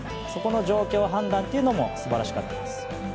そこの状況の判断というのも素晴らしかったです。